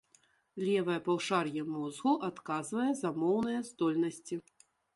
Левае паўшар'е мозгу адказвае за моўныя здольнасці.